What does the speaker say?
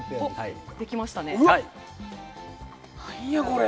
何や、これ！